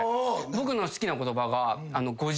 僕の好きな言葉が。